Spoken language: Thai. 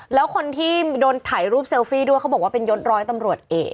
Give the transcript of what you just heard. แล้วคนที่โดนถ่ายรูปเซลฟี่ด้วยเขาบอกว่าเป็นยศร้อยตำรวจเอก